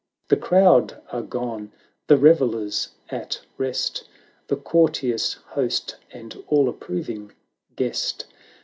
The crowd are gone, the revellers at rest; The courteous host, and all approving guest.